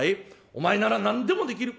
お前なら何でもできる。